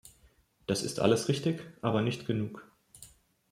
Das ist alles richtig, aber nicht genug.